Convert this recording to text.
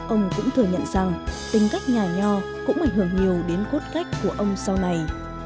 ông cũng thừa nhận rằng tính cách nhà nho cũng ảnh hưởng nhiều đến cốt cách của ông sau này